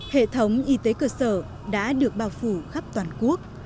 hệ thống y tế cơ sở đã được bao phủ khắp toàn quốc